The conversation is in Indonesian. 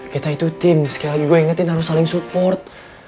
kita itu tim sekali lagi gue ingetin harus saling support